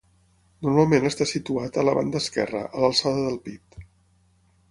Normalment està situat a la banda esquerra, a l'alçada del pit.